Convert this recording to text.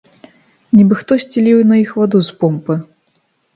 Нібы хтосьці ліў на іх ваду з помпы.